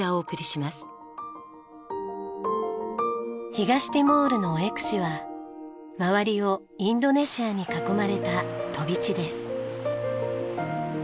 東ティモールのオエクシは周りをインドネシアに囲まれた飛び地です。